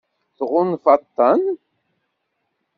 Tɣunfa-ten?